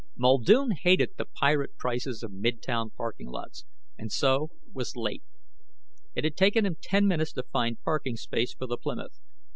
Muldoon hated the pirate prices of midtown parking lots, and so was late. It had taken him ten minutes to find parking space for the Plymouth.